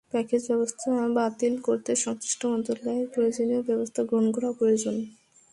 Package ব্যবস্থা বাতিল করতে সংশ্লিষ্ট মন্ত্রণালয়ের প্রয়োজনীয় ব্যবস্থা গ্রহণ করা প্রয়োজন।